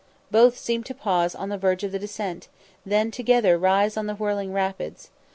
Both seem to pause on the verge of the descent, then together rise on the whirling rapids.